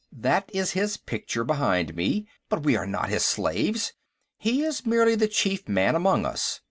That is his picture, behind me. But we are not his slaves. He is merely the chief man among us.